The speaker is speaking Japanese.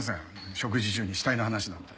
食事中に死体の話なんて。